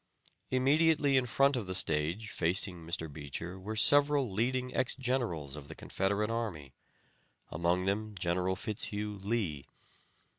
Immediately in front of the stage facing Mr. Beecher were several leading ex generals of the Confederate army, among them General Fitz Hugh Lee.